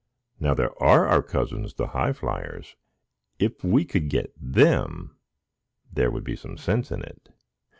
Now there are our cousins the High Flyers,—if we could get them, there would be some sense in it.